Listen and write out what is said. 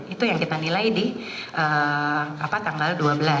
itu yang kita nilai di tanggal dua belas